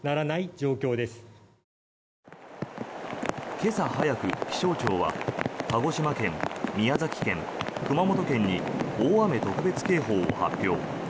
今朝早く、気象庁は鹿児島県、宮崎県、熊本県に大雨特別警報を発表。